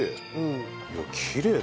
きれい。